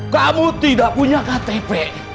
kamu tidak punya ktp